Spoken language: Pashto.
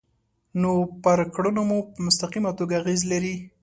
نو پر کړنو مو په مستقیمه توګه اغیز لري.